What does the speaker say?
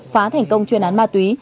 phá thành công chuyên án ma túy